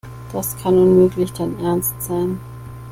Das kann unmöglich dein Ernst sein.